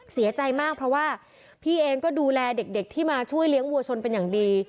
เสียใจมากเพราะว่าพี่เองก็ดูแลเด็กที่มาช่วยเลี้ยงวัวชนเป็นอย่างดี